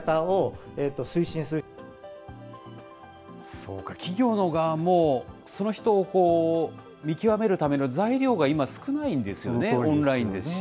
そうか、企業の側も、その人を見極めるための材料が今少ないんですよね、オンラインですし。